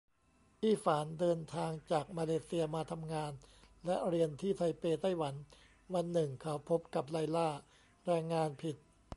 อี้ฝานเดินทางจากมาเลเซียมาทำงานและเรียนที่ไทเป ไต้หวัน วันหนึ่งเขาพบกับไลล่า แรงงานผิด